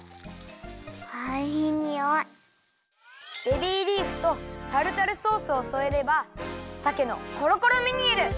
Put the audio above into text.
ベビーリーフとタルタルソースをそえればさけのコロコロムニエル！